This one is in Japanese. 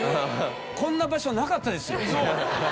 こんな場所なかったです。